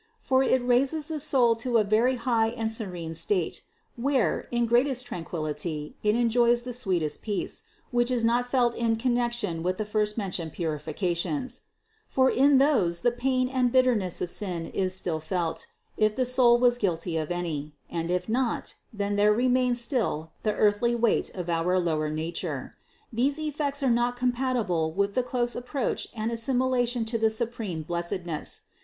For it raises the soul to a very high and serene state, where, in greatest tranquillity, it enjoys the sweetest peace, which is not felt in connection with the THE CONCEPTION 487 first mentioned purifications, For in those the pain and bitterness of sin is still felt, if the soul was guilty of any, and if not, then there remains still the earthly weight of our lower nature. These effects are not compatible with the close approach and assimilation to the supreme bless edness.